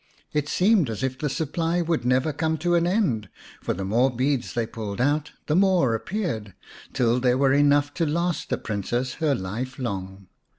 It seemed as if the supply would never come to an end, for the more beads they pulled out the more appeared, till there were enough to last the Princess her life long.